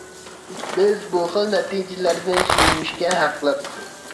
بىز بۇ خىل نەتىجىلەردىن سۆيۈنۈشكە ھەقلىق!